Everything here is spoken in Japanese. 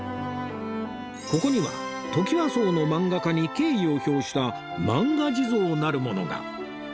ここにはトキワ荘のマンガ家に敬意を表したマンガ地蔵なるものが